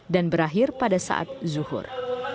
dan berakhir pada saat zuhur